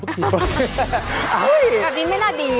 อันนี้ไม่น่าดี